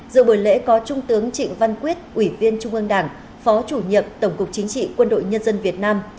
giữa buổi lễ có trung tướng trịnh văn quyết ủy viên trung ương đảng phó chủ nhiệm tổng cục chính trị quân đội nhân dân việt nam